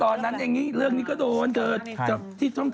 ตอนนั้นเรื่องนี้ก็โดน